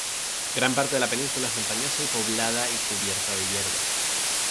Gran parte de la península es montañosa y poblada y cubierta de hierba.